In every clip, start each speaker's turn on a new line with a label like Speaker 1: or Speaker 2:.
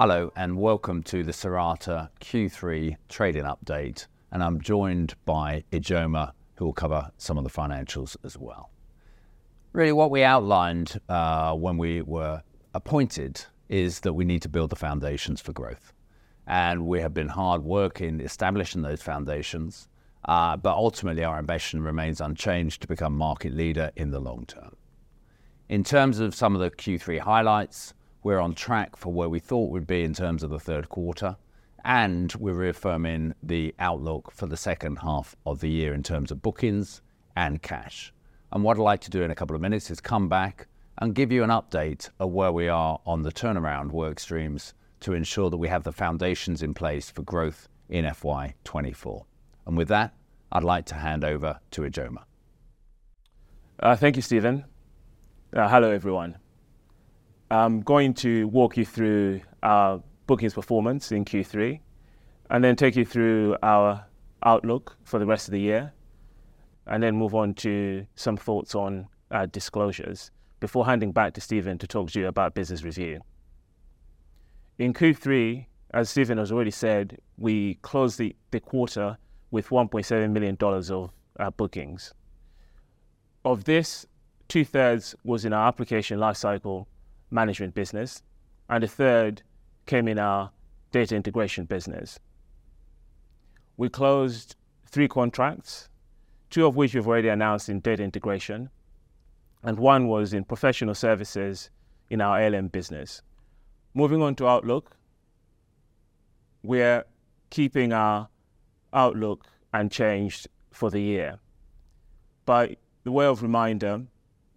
Speaker 1: Hello, and welcome to the Cirata Q3 trading update, and I'm joined by Ijoma, who will cover some of the financials as well. Really, what we outlined when we were appointed is that we need to build the foundations for growth, and we have been hard working establishing those foundations. But ultimately, our ambition remains unchanged to become market leader in the long term. In terms of some of the Q3 highlights, we're on track for where we thought we'd be in terms of the third quarter, and we're reaffirming the outlook for the second half of the year in terms of bookings and cash. And what I'd like to do in a couple of minutes is come back and give you an update of where we are on the turnaround work streams to ensure that we have the foundations in place for growth in FY 2024. With that, I'd like to hand over to Ijoma.
Speaker 2: Thank you, Stephen. Hello, everyone. I'm going to walk you through our bookings performance in Q3 and then take you through our outlook for the rest of the year, and then move on to some thoughts on our disclosures before handing back to Stephen to talk to you about business review. In Q3, as Stephen has already said, we closed the quarter with $1.7 million of our bookings. Of this, two-thirds was in our application lifecycle management business, and a third came in our data integration business. We closed three contracts, two of which we've already announced in data integration, and one was in professional services in our ALM business. Moving on to outlook, we're keeping our outlook unchanged for the year. By way of reminder,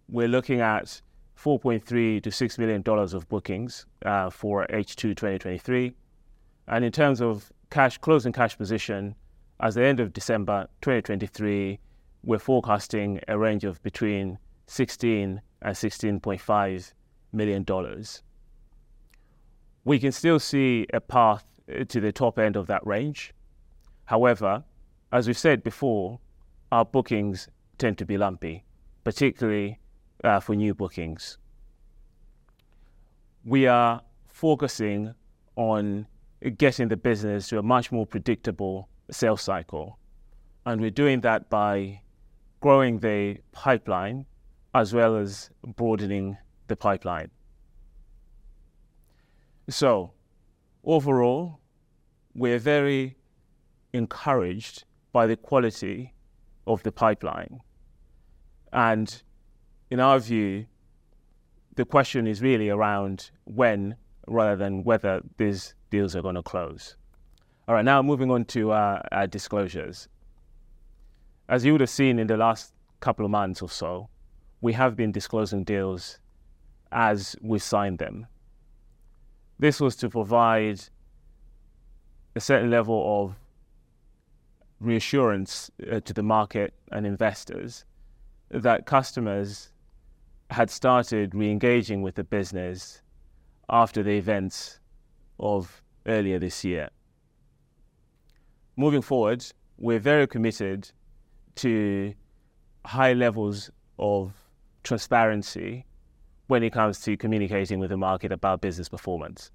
Speaker 2: we're looking at $4.3-$6 million of bookings for H2 2023. In terms of cash closing cash position, as at the end of December 2023, we're forecasting a range of between $16 million and $16.5 million. We can still see a path to the top end of that range. However, as we've said before, our bookings tend to be lumpy, particularly, for new bookings. We are focusing on getting the business to a much more predictable sales cycle, and we're doing that by growing the pipeline as well as broadening the pipeline. So overall, we're very encouraged by the quality of the pipeline, and in our view, the question is really around when rather than whether these deals are gonna close. All right, now moving on to our disclosures. As you would have seen in the last couple of months or so, we have been disclosing deals as we signed them. This was to provide a certain level of reassurance to the market and investors that customers had started re-engaging with the business after the events of earlier this year. Moving forward, we're very committed to high levels of transparency when it comes to communicating with the market about business performance.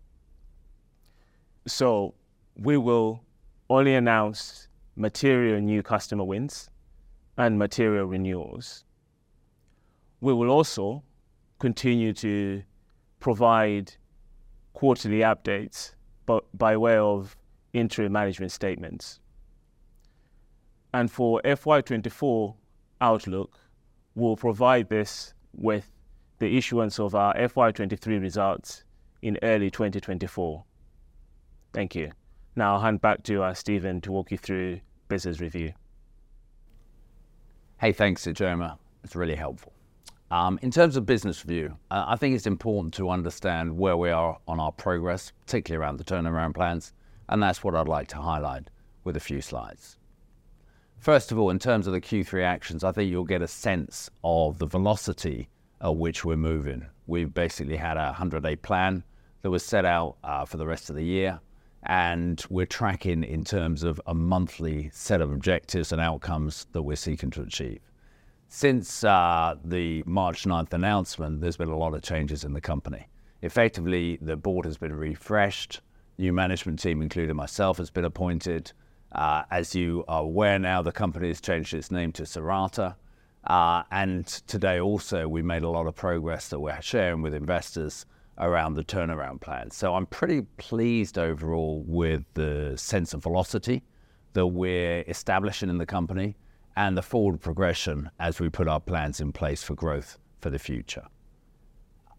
Speaker 2: So we will only announce material new customer wins and material renewals. We will also continue to provide quarterly updates, but by way of interim management statements. And for FY 2024 outlook, we'll provide this with the issuance of our FY 2023 results in early 2024. Thank you. Now I'll hand back to Stephen to walk you through business review.
Speaker 1: Hey, thanks, Ijoma. That's really helpful. In terms of business review, I think it's important to understand where we are on our progress, particularly around the turnaround plans, and that's what I'd like to highlight with a few slides. First of all, in terms of the Q3 actions, I think you'll get a sense of the velocity at which we're moving. We've basically had a 100-day plan that was set out for the rest of the year, and we're tracking in terms of a monthly set of objectives and outcomes that we're seeking to achieve. Since the March 9th announcement, there's been a lot of changes in the company. Effectively, the board has been refreshed, new management team, including myself, has been appointed. As you are aware now, the company has changed its name to Cirata. And today also, we made a lot of progress that we're sharing with investors around the turnaround plan. So I'm pretty pleased overall with the sense of velocity that we're establishing in the company and the forward progression as we put our plans in place for growth for the future.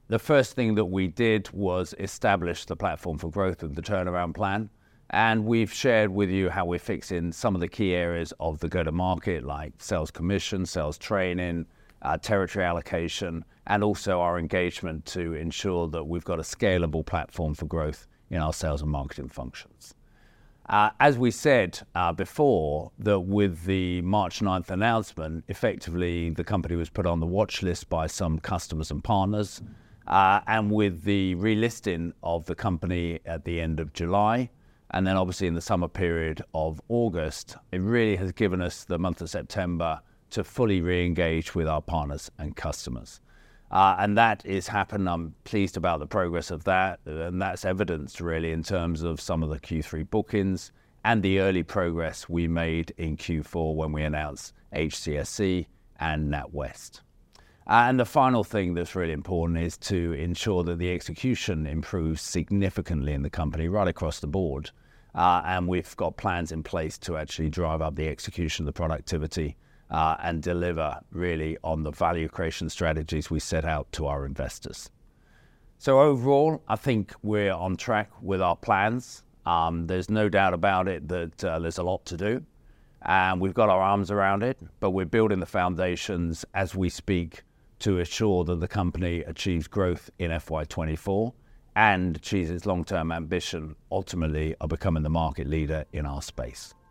Speaker 1: The first thing that we did was establish the platform for growth of the turnaround plan, and we've shared with you how we're fixing some of the key areas of the go-to-market, like sales commission, sales training, territory allocation, and also our engagement to ensure that we've got a scalable platform for growth in our sales and marketing functions. As we said before, that with the March 9th announcement, effectively, the company was put on the watchlist by some customers and partners. And with the relisting of the company at the end of July, and then obviously in the summer period of August, it really has given us the month of September to fully re-engage with our partners and customers. And that is happening. I'm pleased about the progress of that, and that's evidenced really in terms of some of the Q3 bookings and the early progress we made in Q4 when we announced HCSC and NatWest. And the final thing that's really important is to ensure that the execution improves significantly in the company right across the board. And we've got plans in place to actually drive up the execution, the productivity, and deliver really on the value creation strategies we set out to our investors. So overall, I think we're on track with our plans. There's no doubt about it that there's a lot to do, and we've got our arms around it, but we're building the foundations as we speak to ensure that the company achieves growth in FY 2024 and achieves its long-term ambition, ultimately, of becoming the market leader in our space.